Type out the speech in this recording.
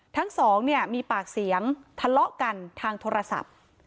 ทั้งสองเนี่ยมีปากเสียงทะเลาะกันทางโทรศัพท์